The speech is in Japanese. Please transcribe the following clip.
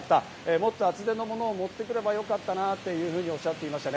もっと厚手のものを持ってくればよかったなというふうにおっしゃっていました。